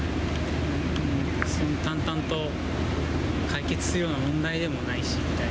淡々と解決するような問題でもないしみたいな。